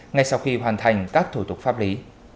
ngay sau khi hoàn thành các thủ tục pháp lý